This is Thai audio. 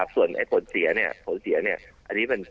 ส่วนไอ้ผลเสียเนี่ยผลเสียเนี่ย